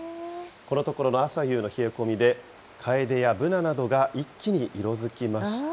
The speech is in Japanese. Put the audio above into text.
このところの朝夕の冷え込みで、カエデやブナなどが一気に色づきました。